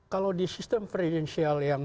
kalau di sistem presidensial yang